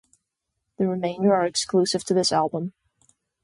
The remainder are exclusive to this album.